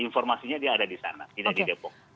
informasinya dia ada di sana tidak di depok